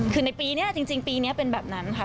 คือในปีนี้จริงปีนี้เป็นแบบนั้นค่ะ